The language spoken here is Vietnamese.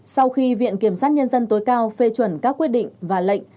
sau khi viện kiểm sát nhân dân tối cao phê chuẩn các quyết định và lệnh